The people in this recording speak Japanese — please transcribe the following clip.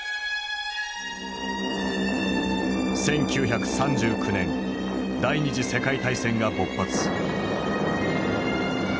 １９３９年第二次世界大戦が勃発。